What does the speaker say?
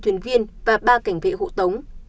hai mươi thuyền viên và ba cảnh vệ hộ tống